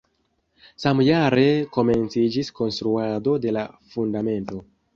Samjare komenciĝis konstruado de la fundamento.